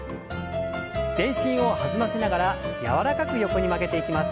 全身を弾ませながら柔らかく横に曲げていきます。